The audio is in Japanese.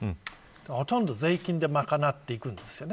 ほとんど税金で賄っていくんですよね。